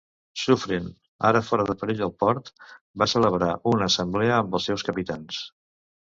Suffren, ara fora de perill al port, va celebrar una assemblea amb els seus capitans.